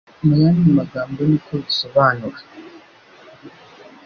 mu yandi magambo niko bisobanura